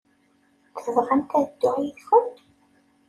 Tebɣamt ad dduɣ yid-kent?